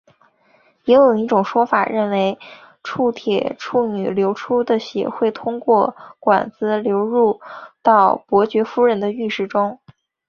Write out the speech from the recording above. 也有一种说法认为从铁处女流出的血会通过管子流入到伯爵夫人的浴室中。